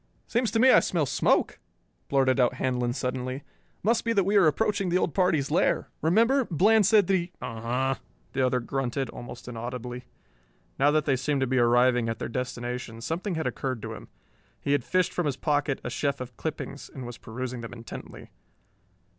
"Seems to me I smell smoke," blurted out Handlon suddenly. "Must be that we are approaching the old party's lair. Remember? Bland said that he " "Uh huh!" the other grunted, almost inaudibly. Now that they seemed to be arriving at their destination something had occurred to him. He had fished from his pocket a sheaf of clippings and was perusing them intently.